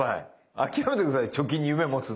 諦めて下さい貯金に夢持つの。